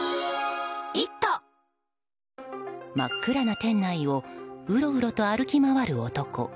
真っ暗な店内をうろうろと歩き回る男。